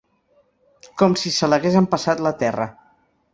Com si se l'hagués empassat la terra.